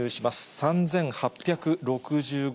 ３８６５。